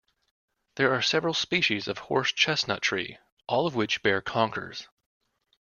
There are several species of horse chestnut tree, all of which bear conkers